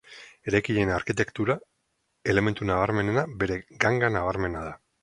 Eraikinaren arkitektura elementu nabarmenena bere ganga nabarmena da.